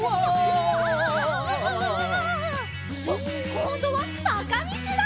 こんどはさかみちだ！